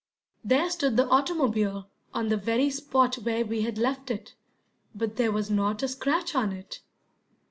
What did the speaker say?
There stood the automobile, on the very spot where we had left it, but there was not a scratch on it.